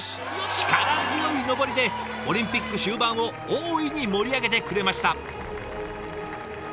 力強い登りでオリンピック終盤を大いに盛り上げてくれました。